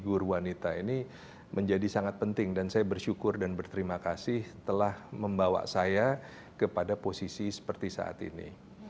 guru wanita ini menjadi sangat penting dan saya bersyukur dan berterima kasih telah membawa saya kepada posisi seperti saat ini